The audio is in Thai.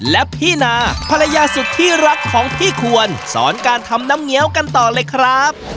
และพี่นาภรรยาสุดที่รักของพี่ควรสอนการทำน้ำเงี้ยวกันต่อเลยครับ